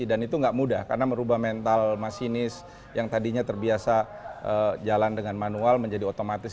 dan itu enggak mudah karena merubah mental masinis yang tadinya terbiasa jalan dengan manual menjadi otomatis